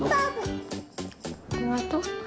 ありがとう。